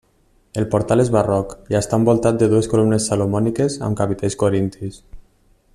El portal és barroc i està envoltat de dues columnes salomòniques amb capitells corintis.